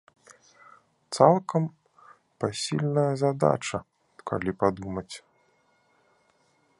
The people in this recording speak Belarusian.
Цалкам пасільная задача, калі падумаць.